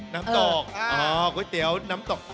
น้ำตกก๋วยเตี๋ยวน้ำตก